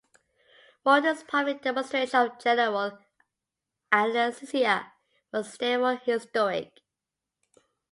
Morton's public demonstration of general anesthesia was therefore historic.